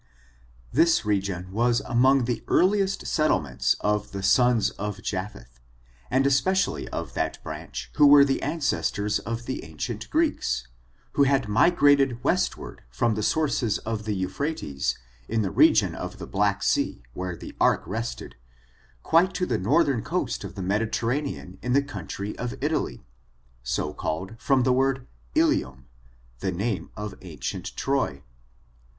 This region was among the earliest settlements of the sons of Japheth, and especially of that branch who were the ancestors of the ancient Greeks, who had migrated westward from the sources of the Eu phrates, in the region of the Black Sea, where the ark rested, quite to the northern coast of the Medi terranean in the country of Italy, so called from the word Ilium, the name of ancient Troy.